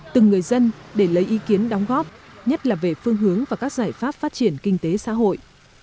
từng người dân để lấy ý kiến đóng góp nhất là về phương hướng và các giải pháp phát triển kinh tế xã hội